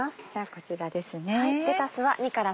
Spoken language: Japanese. こちらですね。